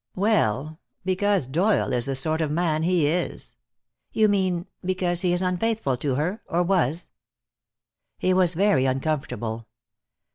"Well, because Doyle is the sort of man he is." "You mean because he is unfaithful to her? Or was?" He was very uncomfortable.